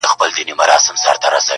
د مسجد په منارو که چي هېرېږئ~